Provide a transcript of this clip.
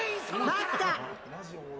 待った！